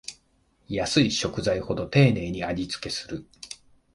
安い食材ほど丁寧に味つけする